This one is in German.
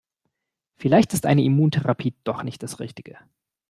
Vielleicht ist eine Immuntherapie doch nicht das Richtige.